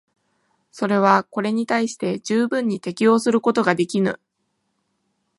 それはこれに対して十分に適応することができぬ。